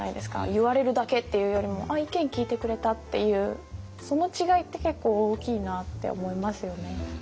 言われるだけっていうよりも「あっ意見聞いてくれた」っていうその違いって結構大きいなって思いますよね。